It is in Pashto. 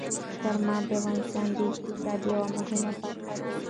چار مغز د افغانستان د اقتصاد یوه مهمه برخه ده.